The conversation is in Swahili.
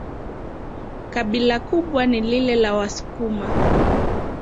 Kabila kubwa ni lile la Wasukuma.